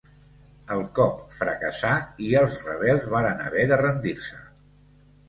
El cop fracassà i els rebels varen haver de rendir-se.